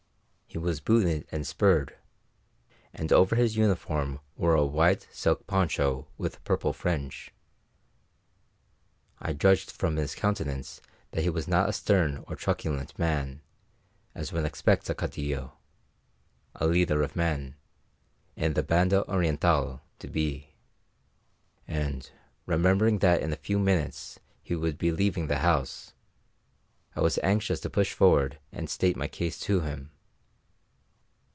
He was booted and spurred, and over his uniform wore a white silk poncho with purple fringe. I judged from his countenance that he was not a stern or truculent man, as one expects a Caudillo a leader of men in the Banda Orientál to be: and, remembering that in a few minutes he would be leaving the house, I was anxious to push forward and state my case to him.